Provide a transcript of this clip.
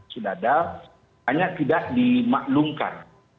sudah ada hanya tidak dimaklumkan